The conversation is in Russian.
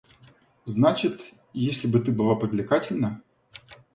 Значит, если бы ты была привлекательна...